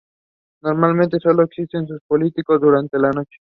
Normalmente sólo extiende sus pólipos durante la noche.